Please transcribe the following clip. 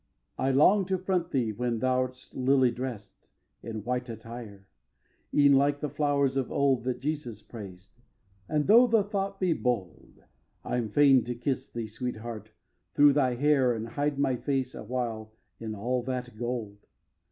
I long to front thee when thou'rt lily dress'd In white attire, e'en like the flowers of old That Jesus praised; and, though the thought be bold, I'm fain to kiss thee, Sweetheart! through thy hair And hide my face awhile in all that gold.